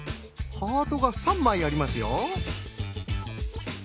ハートが３枚ありますよ。